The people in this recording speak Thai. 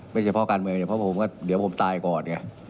ไม่ใช่เพราะการเมืองเนี่ยเพราะผมก็เดี๋ยวผมตายก่อนเนี่ย